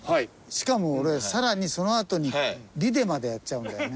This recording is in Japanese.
しかも俺さらにそのあとにビデまでやっちゃうんだよね。